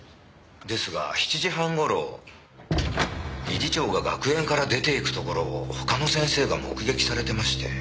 ですが７時半頃理事長が学園から出ていくところを他の先生が目撃されてまして。